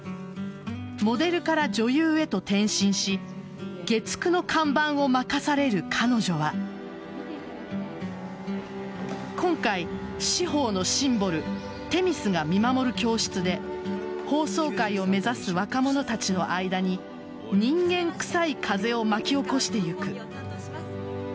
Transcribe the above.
モデルから女優へと転身し月９の看板を任される彼女は今回、司法のシンボルテミスが見守る教室で法曹界を目指す若者たちの間に人間くさい風を巻き起こしていく。